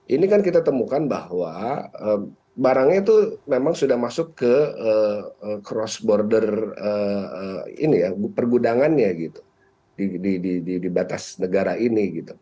ini kan kita temukan bahwa barangnya itu memang sudah masuk ke cross border pergudangannya gitu di batas negara ini